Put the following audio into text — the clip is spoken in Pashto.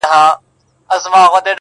څوك به وژاړي سلګۍ د يتيمانو-